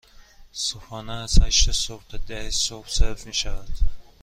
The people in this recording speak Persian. صبحانه از هشت صبح تا ده صبح سرو می شود.